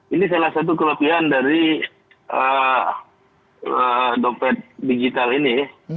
ini salah satu kelebihan dari dompet digital ini